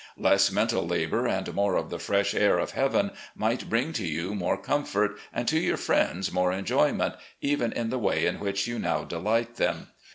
Less mental labour and more of the fresh air of Heaven might bring to you more comfort, and to your friends more enjoyment, even in the way in which you now delight them.